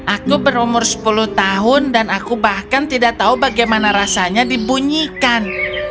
aku berumur sepuluh tahun dan aku bahkan tidak tahu bagaimana rasanya dibunyikan